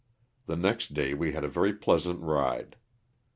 The next day we had a very pleasant ride.